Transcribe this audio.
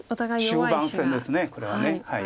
終盤戦ですこれは。